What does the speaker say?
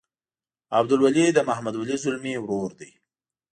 عبدالولي د محمد ولي ځلمي ورور دی.